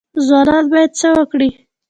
ځوانان باید څه وکړي؟